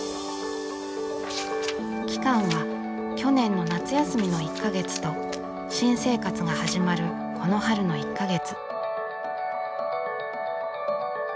期間は去年の夏休みの１か月と新生活が始まるこの春の１か月。